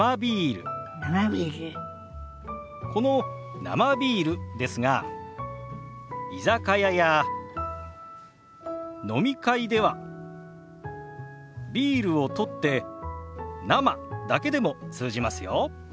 この「生ビール」ですが居酒屋や飲み会では「ビール」を取って「生」だけでも通じますよ。